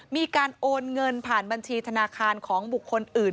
มีการโอนเงินผ่านบัญชีธนาคารของบุคคลอื่น